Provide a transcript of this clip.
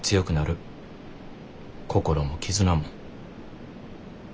心も絆も。